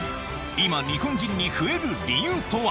今日本人に増える理由とは？